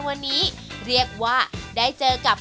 วันนี้ขอบคุณพี่อมนต์มากเลยนะครับ